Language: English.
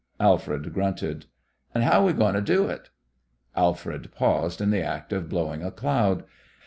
Alfred grunted. "An' how are we goin' to do it?" Alfred paused in the act of blowing a cloud.